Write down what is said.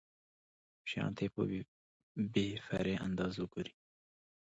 شيانو ته په بې پرې انداز وګوري.